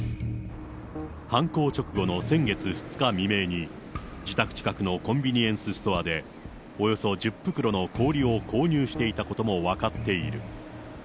犯行直後の先月２日未明に、自宅近くのコンビニエンスストアでおよそ１０袋の氷を購入していたことも分かっている。